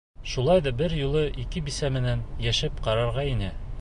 Шулай ҙа бер юлы ике бисә менән йәшәп ҡарарға ине.